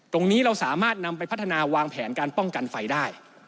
ตรงนี้เราสามารถนำไปพัฒนาวางแผนการป้องกันไฟได้